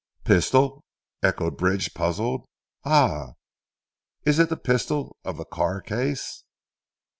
"Pistol!" echoed Bridge puzzled, "ah! it is the pistol of the Carr case?"